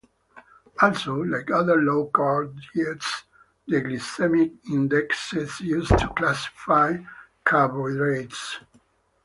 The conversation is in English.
Also, like other low-carb diets, the glycemic index is used to classify carbohydrates.